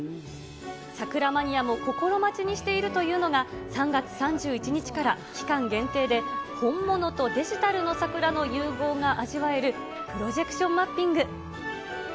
桜マニアも心待ちにしているというのが、３月３１日から期間限定で本物とデジタルの桜の融合が味わえるプロジェクションマッピング。